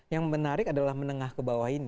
yang menarik adalah menengah ke bawah ini